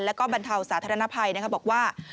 แล้วก็บรรเทาสาธารณภัยบอกว่า